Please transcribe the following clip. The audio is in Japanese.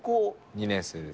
２年生です。